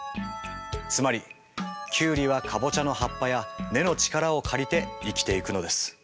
つまりキュウリはカボチャの葉っぱや根の力を借りて生きていくのです。